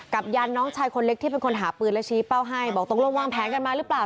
ยันน้องชายคนเล็กที่เป็นคนหาปืนและชี้เป้าให้บอกตกลงวางแผนกันมาหรือเปล่า